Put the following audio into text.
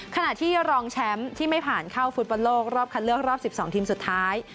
ขณะที่รองแชมป์ที่ไม่ผ่านเข้าฟุตบอลโลกรอบคัดเลือกรอบ๑๒ทีมสุดท้าย